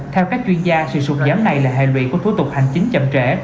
theo các chuyên gia sự sụt giảm này là hệ lụy của thủ tục hành chính chậm trễ